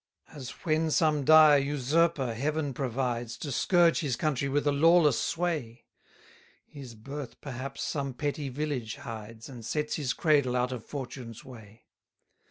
213 As when some dire usurper Heaven provides, To scourge his country with a lawless sway; His birth perhaps some petty village hides, And sets his cradle out of fortune's way.